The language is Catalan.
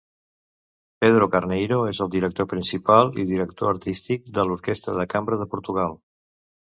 Pedro Carneiro és el director principal i director artístic de l'Orquestra de Cambra de Portugal.